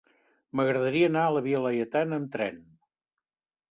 M'agradaria anar a la via Laietana amb tren.